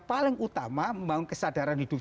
paling utama membangun kesadaran hidup